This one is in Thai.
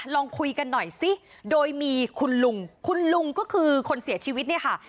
ลองคุยกันหน่อยซิโดยมีคุณลุงคุณลุงก็คือคนเสียชีวิตเนี่ยค่ะ